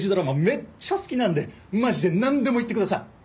めっちゃ好きなんでマジでなんでも言ってください。